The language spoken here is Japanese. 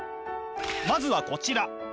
まずはこちら！